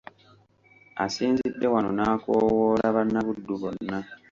Asinzidde wano n’akoowoola bannabuddu bonna